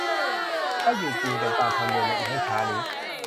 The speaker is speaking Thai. ได้อยู่กินกันตามธรรมเนียมในอีกไม่ช้านี้